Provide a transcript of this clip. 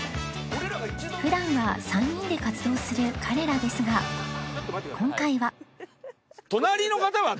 普段は３人で活動する彼らですが今回は